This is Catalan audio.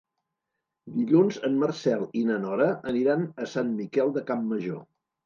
Dilluns en Marcel i na Nora aniran a Sant Miquel de Campmajor.